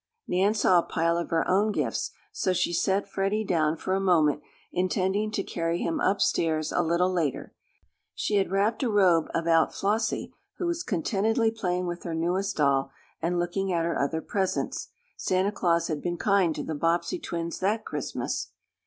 Nan saw a pile of her own gifts, so she set Freddie down for a moment, intending to carry him up stairs a little later. She had wrapped a robe about Flossie, who was contentedly playing with her newest doll, and looking at her other presents. Santa Claus had been kind to the Bobbsey twins that Christmas.